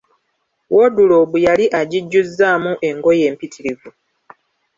Wooduloobu yali agijjuzzaamu engoye mpitirivu.